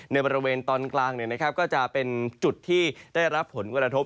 ในบริเวณตอนกลางนะครับก็จะเป็นจุดที่ได้รับผลคุณภัครทบ